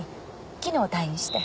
昨日退院して。